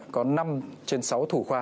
có năm trên sáu thủ khoa